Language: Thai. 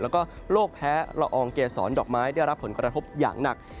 แล้วก็โรคแพ้ละอองเกษรดอกไม้ได้รับผลกระทบอย่างหนัก